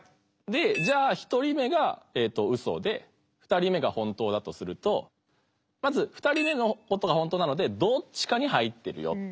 じゃあ１人目がウソで２人目が本当だとするとまず２人目のことが本当なのでどっちかに入ってるよ。